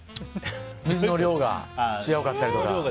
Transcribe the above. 水の量が違かったりとか？